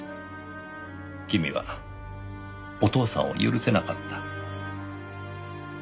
君はお父さんを許せなかった。